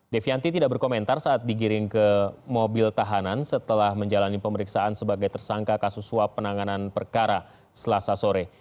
devianti tidak berkomentar saat digiring ke mobil tahanan setelah menjalani pemeriksaan sebagai tersangka kasus suap penanganan perkara selasa sore